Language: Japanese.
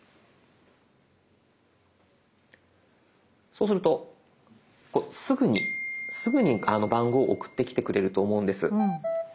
そうするとすぐに番号送ってきてくれると思うんです。